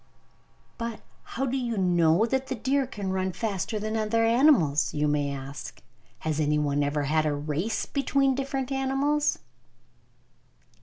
"But how do people know that the deer can run faster than other animals?" you may ask. "Has anyone had a race between different animals?"